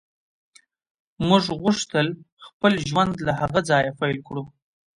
موږ غوښتل خپل ژوند له هغه ځایه پیل کړو